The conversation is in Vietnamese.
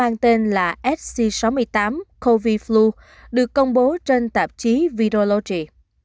mang tên là sc sáu mươi tám covid flu được công bố trên tạp chí virology